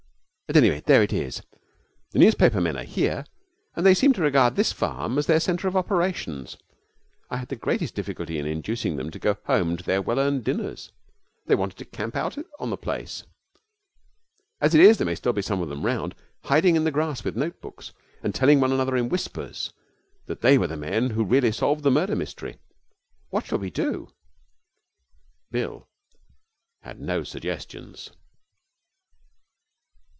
At any rate, there it is. The newspaper men are here, and they seem to regard this farm as their centre of operations. I had the greatest difficulty in inducing them to go home to their well earned dinners. They wanted to camp out on the place. As it is, there may still be some of them round, hiding in the grass with notebooks, and telling one another in whispers that they were the men who really solved the murder mystery. What shall we do?' Bill had no suggestions.